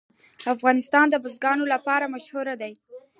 افغانستان د بزګان لپاره مشهور دی.